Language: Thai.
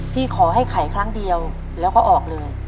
พี่ขอให้ขายครั้งเดียวแล้วเขาออกเลย